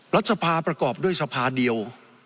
รัฐสภาประกอบด้วยสภาเดียว